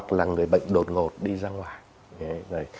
đấy là người bệnh đột ngột đi ra ngoài